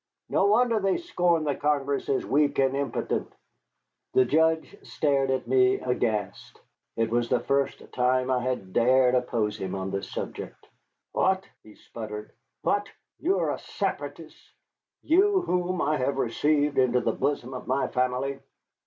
No wonder they scorn the Congress as weak and impotent." The Judge stared at me aghast. It was the first time I had dared oppose him on this subject. "What," he sputtered, "what? You are a Separatist, you whom I have received into the bosom of my family!"